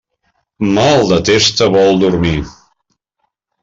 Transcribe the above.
Mal de testa vol dormir.